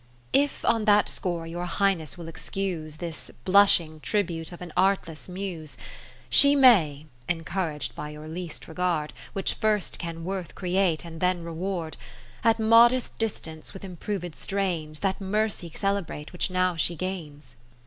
If on that score your Highness will excuse This blushing tribute of an artless Muse, She may (encourag'd by your least regard. Which first can worth create, and then reward) At modest distance with improved strains That Mercy celebrate which now she gains.